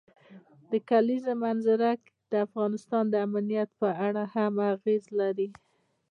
د کلیزو منظره د افغانستان د امنیت په اړه هم اغېز لري.